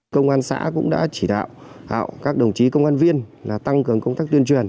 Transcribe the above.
công an xã cũng đã chỉ đạo các đồng chí công an viên tăng cường công tác tuyên truyền